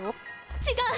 違う！